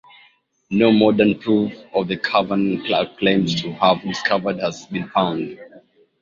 No modern proof of the cavern Clark claimed to have discovered has been found.